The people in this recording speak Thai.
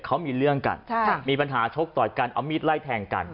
เขามีเรื่องกันมีปัญหาชกต่อยกันเอามีดไล่แทงกัน